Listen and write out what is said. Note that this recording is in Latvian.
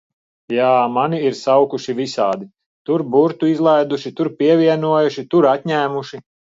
Jā, mani ir saukuši visādi, tur burtu izlaiduši, tur pievienojuši, tur atņēmuši.